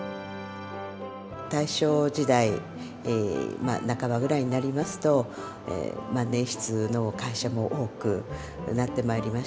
大正時代まあ半ばぐらいになりますと万年筆の会社も多くなってまいりまして